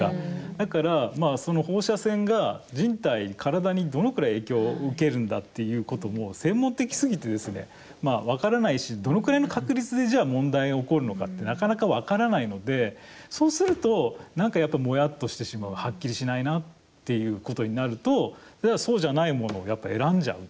だから、放射線が人体、体にどのくらい影響を受けるんだっていうことも専門的すぎて分からないしどのくらいの確率でじゃあ問題が起こるのかってなかなか分からないのでそうすると、なんかやっぱりもやっとしてしまうはっきりしないなっていうことになるといや、そうじゃないものをやっぱり選んじゃう。